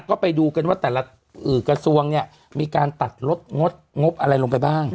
ก็ไปดูกันว่าแต่ละกระทรวงเนี่ยมีการตัดลดงดงบอะไรลงไปบ้าง